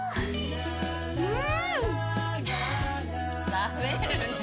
食べるねぇ。